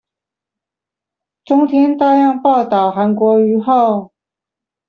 中天大量報導韓國瑜後